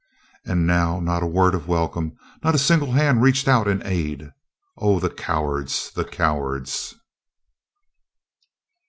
And now not a word of welcome, not a single hand reached out in aid. Oh! the cowards! the cowards!"